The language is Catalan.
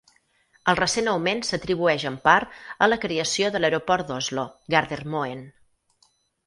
El recent augment s'atribueix en part a la creació de l'aeroport d'Oslo, Gardermoen.